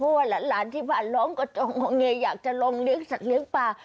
เพราะว่าหลานที่บ้านร้องกระจองเงยอยากจะลองเลี้ยงสัตว์เลี้ยงปลา